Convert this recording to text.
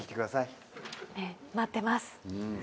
待ってます。